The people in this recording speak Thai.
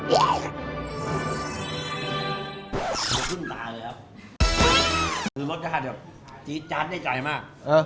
มันขึ้นตาเลยครับคือรสชาติแบบจี๊ดชาร์จใจใจมากเออ